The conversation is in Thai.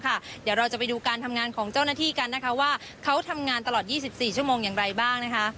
เดี๋ยวเราจะไปดูการทำงานของเจ้าหน้าที่กันนะคะว่าเขาทำงานตลอด๒๔ชั่วโมงอย่างไรบ้างนะคะ